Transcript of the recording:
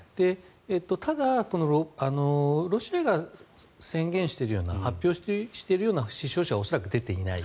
ただ、ロシアが宣言しているような発表しているような死傷者は恐らく出ていない。